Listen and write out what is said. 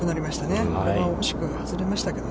今、惜しくも外れましたけれども。